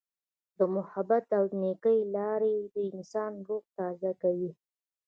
د محبت او نیکۍ لارې د انسان روح تازه کوي.